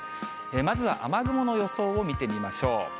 まずは雨雲の予想を見てみましょう。